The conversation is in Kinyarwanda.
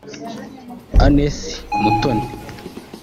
Aneth Mutoni